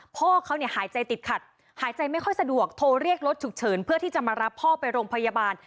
พ่อเขาเนี่ยหายใจติดขัดหายใจไม่ค่อยสะดวกโทรเรียกรถฉุกเฉินเพื่อที่จะมารับพ่อไปโรงพยาบาล